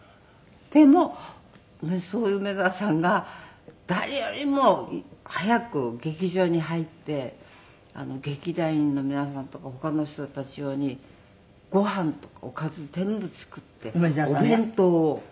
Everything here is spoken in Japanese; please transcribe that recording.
でもそういう梅沢さんが誰よりも早く劇場に入って劇団員の皆さんとか他の人たち用にご飯とかおかず全部作ってお弁当を作るんです梅沢さんが。